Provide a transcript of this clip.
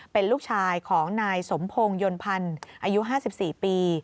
เป็นลูกชายของนายสมพงศ์ยนต์พันธ์อายุ๕๔ปี